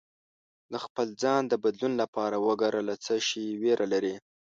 د خپل ځان د بدلون لپاره وګره له څه شي ویره لرې